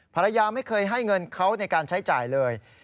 ภรรยาไม่เคยให้เงินเขาในการใช้จ่ายเลย